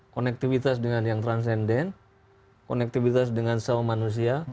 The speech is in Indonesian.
konektivitas dengan yang transenden konektivitas dengan sewa manusia